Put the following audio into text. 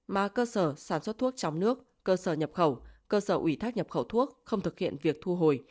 mà cơ sở sản xuất thuốc trong nước cơ sở nhập khẩu cơ sở ủy thác nhập khẩu thuốc không thực hiện việc thu hồi